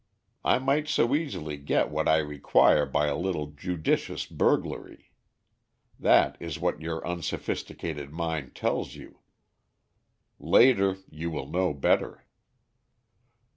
I might so easily get what I require by a little judicious burglary. That is what your unsophisticated mind tells you. Later you will know better."